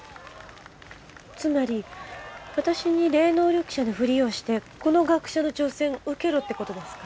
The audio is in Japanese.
つまり私に霊能力者のふりをしてこの学者の挑戦を受けろって事ですか？